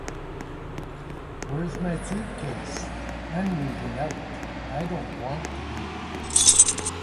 Where's my suitcase? I'm moving out, I don't want to be here.